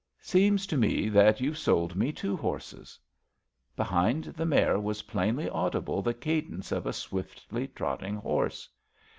Seems to me that you've sold me two horses." Behind the mare was plainly audible the cadence of a swiftly trotting horse.